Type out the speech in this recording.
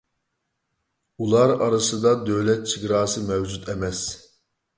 ئۇلار ئارىسىدا دۆلەت چېگراسى مەۋجۇت ئەمەس.